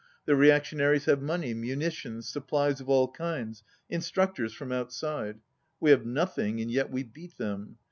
The reactionaries have money, muni tions, supplies of all kinds, instructors, from out side. We have nothing, and yet we beat them.